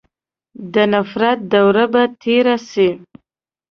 د نفرت دوره به تېره سي.